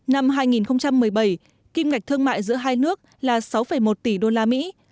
năm hai nghìn một mươi bảy kim ngạch thương mại giữa hai nước là sáu một tỷ đô la mỹ